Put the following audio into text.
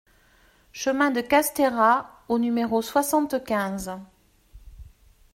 Chemin de Castera au numéro soixante-quinze